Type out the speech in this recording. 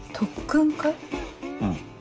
うん。